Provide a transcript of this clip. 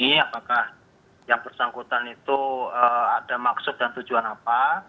di kantor mui apakah yang bersangkutan itu ada maksud dan tujuan apa